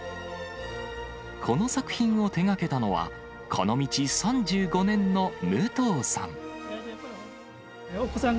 この作品を手がけたのは、この道３５年の武藤さん。